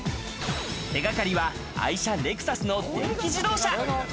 手掛かりは愛車・レクサスの電気自動車。